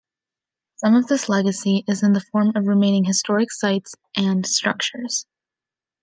Some of this legacy is in the form of remaining historic sites and structures.